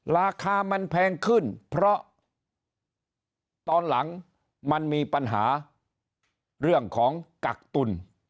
ราคามันแพงขึ้นเพราะตอนหลังมันมีปัญหาเรื่องของกักตุล